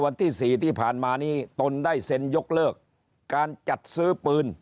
วันที่๔ที่ผ่านมานี้ตนได้เซ็นยกเลิกการจัดซื้อปืน